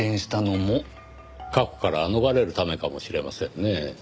過去から逃れるためかもしれませんねぇ。